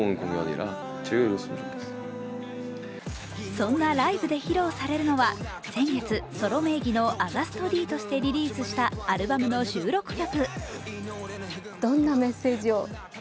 そんなライブで披露されるのは先月ソロ名義のＡｇｕｓｔＤとしてリリースしたアルバムの収録曲。